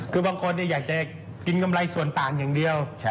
คือบางคนอยากจะกินกำไรส่วนต่างอย่างเดียว